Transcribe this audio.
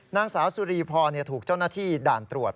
นางสาวสุรีพรถูกเจ้าหน้าที่ด่านตรวจ